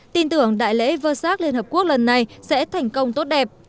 tin tưởng đại lễ vơ sát liên hợp quốc lần này sẽ thành công tốt đẹp